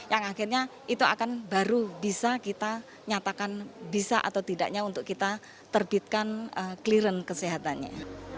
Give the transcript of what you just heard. yang akhirnya itu akan baru bisa kita nyatakan bisa atau tidaknya untuk kita terbitkan clearan kesehatannya